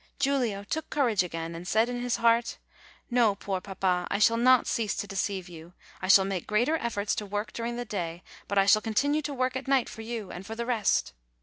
Giulio took courage again, and said in his heart, "No, poor papa, I shall not cease to deceive you; I shall make greater efforts to work during the day, but I shall continue to work at night for you and for the rest."